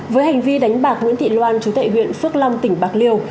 với hành vi đánh bạc nguyễn thị loan chú tệ huyện phước long tỉnh bạc liêu